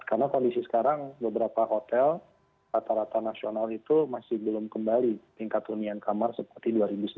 karena kondisi sekarang beberapa hotel rata rata nasional itu masih belum kembali tingkat keunian kamar seperti dua ribu sembilan belas